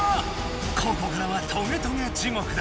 ここからはトゲトゲ地獄だ！